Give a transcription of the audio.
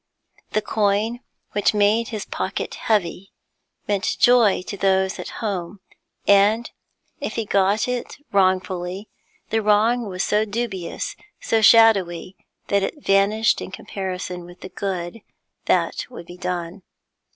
The coin which made his pocket heavy meant joy to those at home, and, if he got it wrongfully, the wrong was so dubious, so shadowy, that it vanished in comparison with the good that would be done.